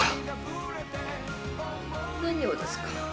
何をですか？